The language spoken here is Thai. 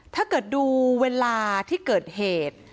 ถ้าเกิดดูเวลาที่เกิดเหตุ